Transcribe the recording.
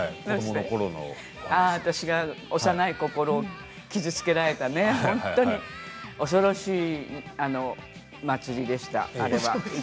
私が幼い心を傷つけられた恐ろしい祭りでした、あれは。